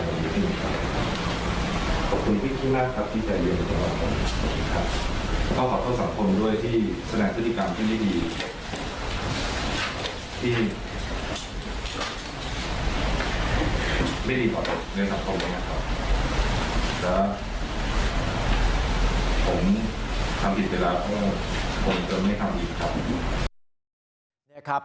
ผมทำดีไปแล้วก็คงจะไม่ทำอีกครับ